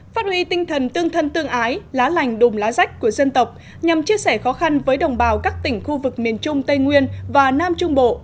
phát huy tinh thần tương thân tương ái lá lành đùm lá rách của dân tộc nhằm chia sẻ khó khăn với đồng bào các tỉnh khu vực miền trung tây nguyên và nam trung bộ